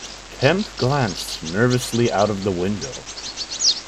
Kemp glanced nervously out of the window.